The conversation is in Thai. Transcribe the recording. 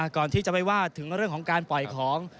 ก่อนที่จะไปว่าถึงเรื่องของการปล่อยของ